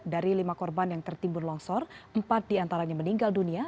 dari lima korban yang tertimbun longsor empat diantaranya meninggal dunia